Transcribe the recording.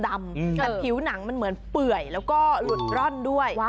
แต่ผิวหนังมันเหมือนเปื่อยแล้วก็หลุดร่อนด้วย